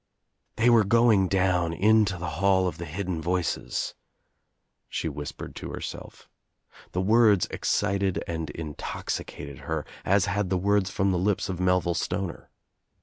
"They were going down into the hall of the hidden voices," she whispered to herself. The words escited and intoxicated her as had the words from the lips of Melville Stoner.